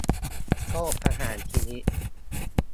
โทษประหารชีวิต